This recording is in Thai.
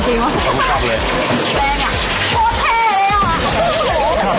โชคเงียบ